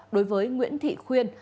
đối với nguyễn thị khuyên